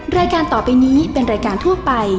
รายการต่อไปนี้เป็นรายการทั่วไป